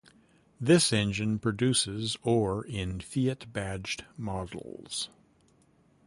This engine produces or in Fiat-badged models.